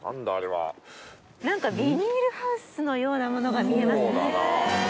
ビニールハウスのようなものが見えますね。